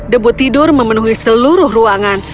debu tidur memenuhi seluruh ruangan